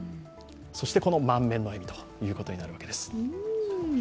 そして、この満面の笑みということになるわけです。